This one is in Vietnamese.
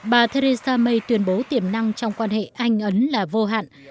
bà theresa may tuyên bố tiềm năng trong quan hệ anh ấn là vô hạn